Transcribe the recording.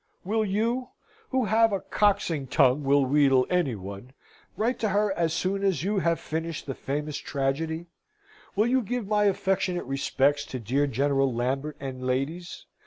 Will you, who have a coxing tongue will wheadle any one, write to her as soon as you have finisht the famous tradgedy? Will you give my affectionate respects to dear General Lambert and ladies?